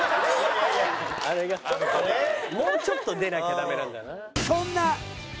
もうちょっと出なきゃダメなんだな。